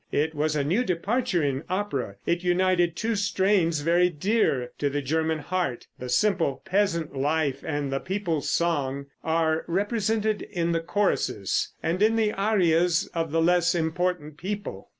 It was a new departure in opera. It united two strains very dear to the German heart the simple peasant life and the people's song are represented in the choruses, and in the arias of the less important people.